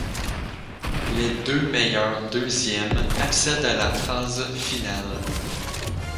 Les deux meilleurs deuxièmes accèdent à la phase finale.